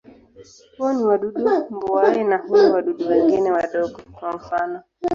Wao ni wadudu mbuai na hula wadudu wengine wadogo, kwa mfano.